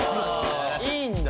いいんだ。